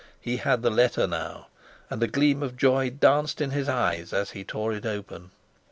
He had the letter now, and a gleam of joy danced in his eyes as he tore it open.